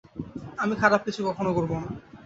আমি খারাপ কিছু কখনো করবো না।